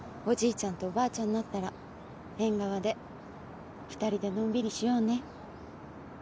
ちゃんとおばあちゃんになったら縁側で２人でのんびりしようね。